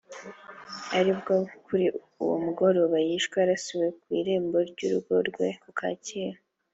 aribwo kuri uwo mugoroba yishwe arasiwe ku irembo ry’urugo rwe ku Kacyiru